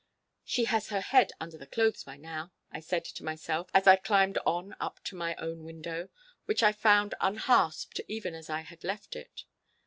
'She has her head under the clothes by now,' I said to myself, as I climbed on up to my own window, which I found unhasped even as I had left it.